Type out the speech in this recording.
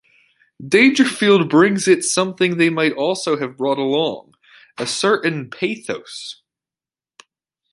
Dangerfield brings it something they might also have brought along: a certain pathos.